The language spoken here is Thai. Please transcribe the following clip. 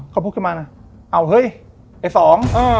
เขาพูดขึ้นมาอ้าวเฮอเห้ยไอ้ศอง